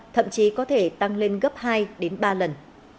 thậm chí có thể tăng lên gấp hai đến ba lần